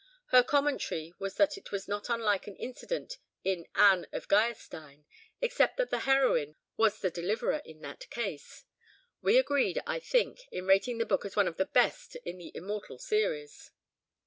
Her commentary was that it was not unlike an incident in Anne of Geierstein, except that the heroine was the deliverer in that case. We agreed, I think, in rating the book as one of the best in the immortal series.